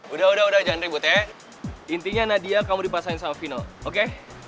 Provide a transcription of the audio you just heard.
udah udah jangan ribut ya intinya nadia kamu dipasangin sama vino oke